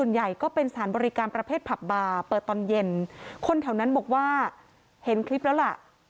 เห็นคลิปแล้วล่ะ